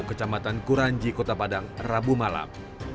kecamatan kuranji kota padang rabu malam